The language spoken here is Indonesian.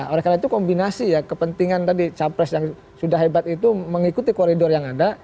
oleh karena itu kombinasi ya kepentingan tadi capres yang sudah hebat itu mengikuti koridor yang ada